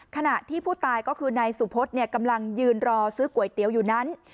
ขณะที่ผู้ตายก็คือนายสุพธกำลังยืนรอซื้อก๋วยเตี๋ยวอยู่นั้น